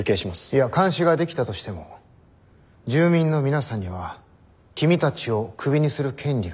いや監視ができたとしても住民の皆さんには君たちをクビにする権利がないんです。